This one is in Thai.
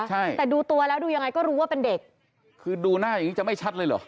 ใช่แต่ดูตัวแล้วดูยังไงก็รู้ว่าเป็นเด็กคือดูหน้าอย่างงีจะไม่ชัดเลยเหรอ